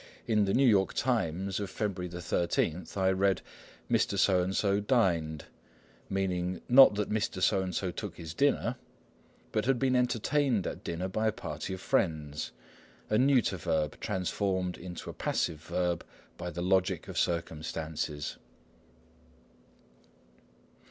In the New York Times of February 13, I read, "Mr. So and so dined," meaning not that Mr. So and so took his dinner, but had been entertained at dinner by a party of friends,—a neuter verb transformed into a passive verb by the logic of circumstances.